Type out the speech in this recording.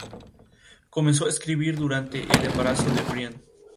Comenzó a escribir durante el embarazo de Brian.